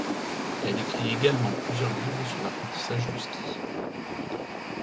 Elle écrit également plusieurs livres sur l'apprentissage du ski.